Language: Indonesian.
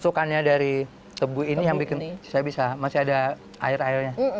tusukannya dari tebu ini yang bisa masih ada air airnya